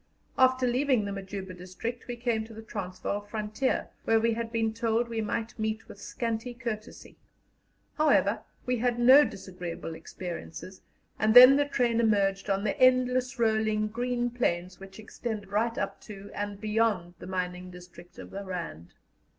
After leaving the Majuba district, we came to the Transvaal frontier, where we had been told we might meet with scanty courtesy. However, we had no disagreeable experiences, and then the train emerged on the endless rolling green plains which extend right up to and beyond the mining district of the Rand.